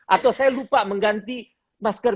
atau saya lupa mengganti masker